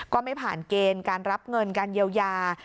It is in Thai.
ก็ไม่ผ่านเกณฑ์การรับเงินการเยียวยา